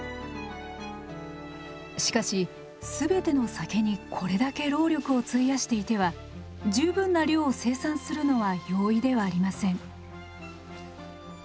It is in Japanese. しかしすべての酒にこれだけ労力を費やしていては十分な量を生産するのは容易ではありません。